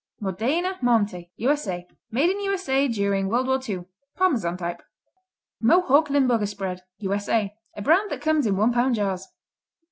Modena, Monte U.S.A. Made in U.S.A. during World War II. Parmesan type. Mohawk Limburger Spread U.S.A. A brand that comes in one pound jars.